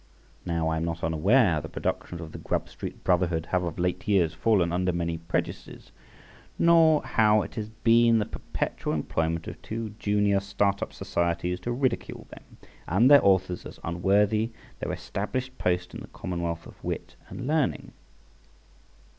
Now, I am not unaware how the productions of the Grub Street brotherhood have of late years fallen under many prejudices, nor how it has been the perpetual employment of two junior start up societies to ridicule them and their authors as unworthy their established post in the commonwealth of wit and learning.